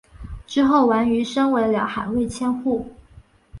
之后王瑜升为辽海卫千户。